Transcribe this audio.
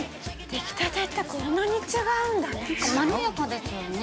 できたてってこんなに違うんだね。